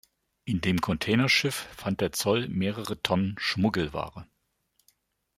In dem Containerschiff fand der Zoll mehrere Tonnen Schmuggelware.